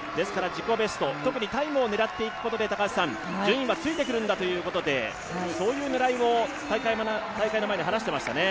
自己ベスト、特にタイムを狙っていくことで順位はついてくるんだということでそういう狙いも大会前に話してましたね。